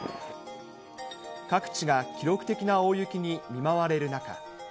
各地が記録的な大雪に見舞われる中。